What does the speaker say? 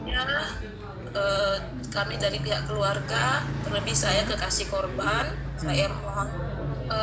ya kami dari pihak keluarga terlebih saya kekasih korban